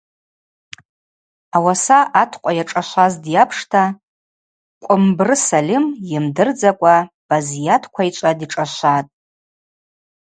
Ауаса аткъва йашӏашваз дйапшта Кӏвымбры Сальым йымдырдзакӏва Базйат Квайчӏва дишӏашватӏ.